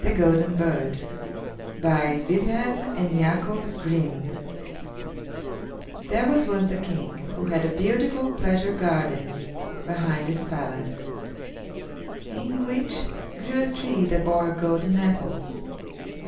THE GOLDEN BIRD BY WILHELM AND JAKOB GRIMM There was once a King who had a beautiful pleasure garden behind his palace, in which grew a tree that bore golden apples.